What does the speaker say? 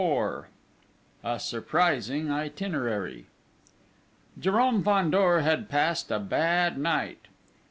IV A SURPRISING ITINERARY Jérôme Fandor had passed a bad night!